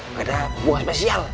nggak ada hubungan spesial